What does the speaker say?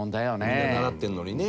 みんな習ってるのにね。